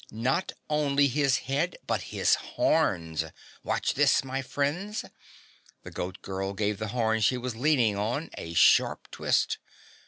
"Not only his head, but his horns. Watch this, my friends!" The Goat Girl gave the horn she was leaning on a sharp twist.